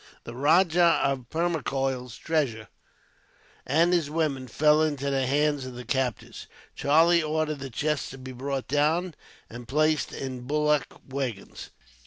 The Rajah of Permacoil's treasure, and his women, fell into the hands of the captors. Charlie ordered the chests to be brought down, and placed in bullock waggons.